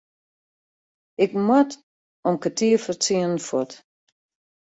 Ik moat om kertier foar tsienen fuort.